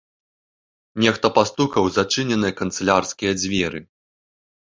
Нехта пастукаў у зачыненыя канцылярскія дзверы.